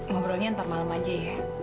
ngobrolnya ntar malam aja ya